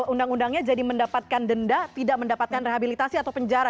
undang undangnya jadi mendapatkan denda tidak mendapatkan rehabilitasi atau penjara